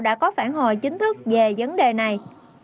đã có phản hồi chính thức về vấn đề này